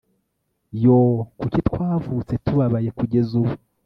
yoo! kuki twavutse tubabaye kugeza ubu? ..